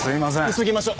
急ぎましょう。